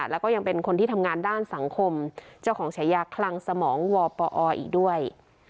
แล้วก็ยังเป็นคนที่ทำงานด้านสังคมเจ้าของฉายาคลังสมองวปออีกด้วย